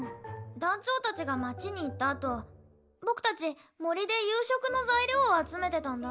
団長たちが町に行ったあと僕たち森で夕食の材料を集めてたんだ。